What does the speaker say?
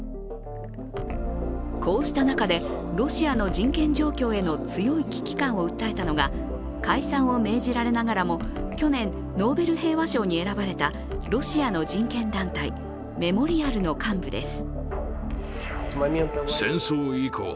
こうした中でロシアの人権状況への強い危機感を訴えたのは解散を命じられながらも去年ノーベル平和賞に選ばれたロシアの人権団体、メモリアルの幹部です。